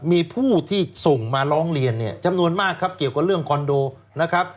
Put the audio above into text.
มีผู้ที่ส่งมาร้องเรียนเนี่ยจำนวนมากครับเกี่ยวกับเรื่องคอนโดนะครับ